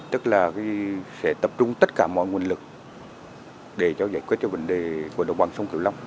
tức là sẽ tập trung tất cả mọi nguồn lực để giải quyết vấn đề của đồng bằng sông kiều long